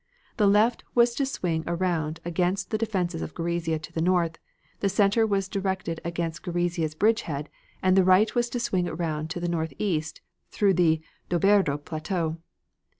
The left was to swing around against the defenses of Gorizia to the north; the center was directed against the Gorizia bridge head, and the right was to swing around to the northeast through the Doberdo plateau.